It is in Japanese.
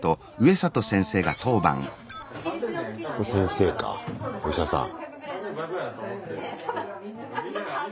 先生かお医者さん。